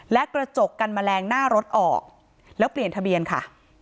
และกระจกกันแมลงหน้ารถออกแล้วเปลี่ยนทะเบียนค่ะ